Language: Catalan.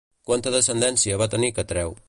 Quanta descendència va tenir Catreu?